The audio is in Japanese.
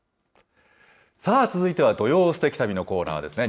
さあ続いては土曜すてき旅のコーナーですね。